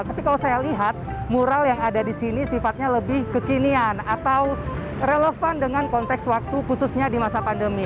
tapi kalau saya lihat mural yang ada di sini sifatnya lebih kekinian atau relevan dengan konteks waktu khususnya di masa pandemi